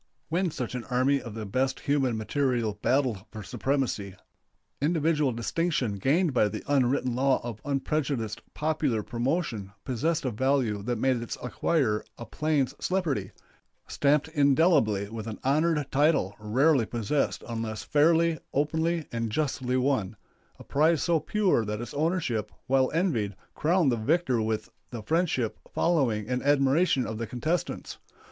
When such an army of the best human material battled for supremacy, individual distinction gained by the unwritten law of unprejudiced popular promotion possessed a value that made its acquirer a "plains celebrity," stamped indelibly with an honored title rarely possessed unless fairly, openly, and justly won a prize so pure that its ownership, while envied, crowned the victor with the friendship, following, and admiration of the contestants.